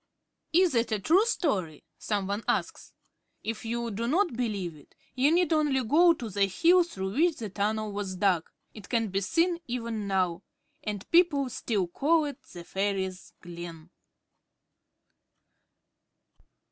Is it a true story? some one asks. If you do not believe it, you need only go to the hill through which the tunnel was dug. It can be seen, even now. And people still call it the Fairies' Glen.